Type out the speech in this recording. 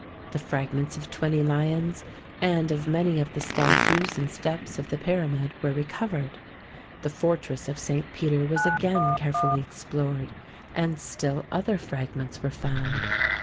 The fragments of twenty lions, and of many of the statues and steps of the pyramid were re covered. The fortress of St. Peter was again carefully explored, and still other fragments were found.